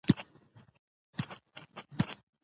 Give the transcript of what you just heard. بې پيسو زوی يواځې په مور ګران وي